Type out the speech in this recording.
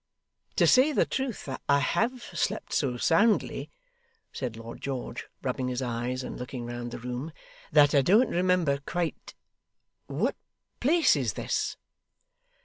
'To say the truth, I have slept so soundly,' said Lord George, rubbing his eyes and looking round the room, 'that I don't remember quite what place is this?